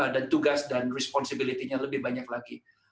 dan tugas dan responsibility nya lebih banyak lagi